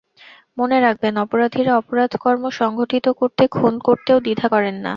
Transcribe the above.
মনে রাখবেন, অপরাধীরা অপরাধকর্ম সংঘটিত করতে খুন করতেও দ্বিধা করেন না।